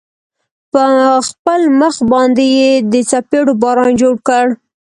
په خپل مخ باندې يې د څپېړو باران جوړ كړ.